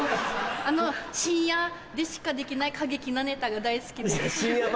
あの深夜でしかできない過激なネタが大好きです。